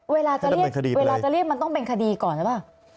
เวลาจะเรียกมันต้องเป็นคดีก่อนใช่ป่ะ